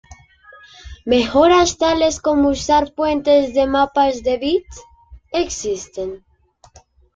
Mejoras, tales como usar fuentes de mapas de bits, existen.